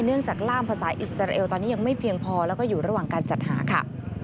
เนื่องจากล่ามภาษาอิสราเอลตอนนี้ยังไม่เพียงพอแล้วก็อยู่ระหว่างการจัดหาค่ะ